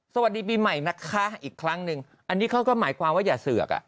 สวัสดีปีใหม่นะคะอีกครั้งหนึ่งอันนี้เขาก็หมายความว่าอย่าเสือกอ่ะ